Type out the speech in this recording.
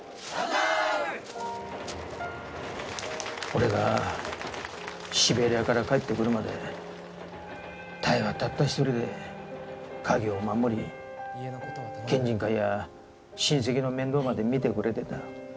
俺がシベリアから帰ってくるまで多江はたった一人で家業を守り県人会や親戚の面倒まで見てくれてた。